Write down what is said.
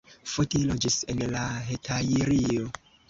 Fotini loĝis en la Hetajrio.